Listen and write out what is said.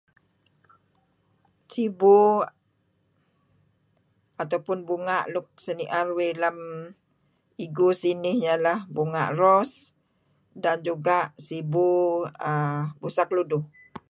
Sibu atau pun bunga nuk siniwe uih igu sinih ialah bunga' Rose juga' sibu Busak Luduh.